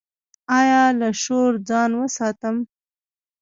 ایا له شور ځان وساتم؟